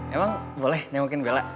emang boleh tengokin bella